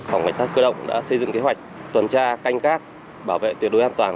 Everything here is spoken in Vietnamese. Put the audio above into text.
phòng cảnh sát cơ động đã xây dựng kế hoạch tuần tra canh gác bảo vệ tuyệt đối an toàn